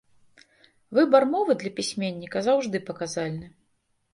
Выбар мовы для пісьменніка заўжды паказальны.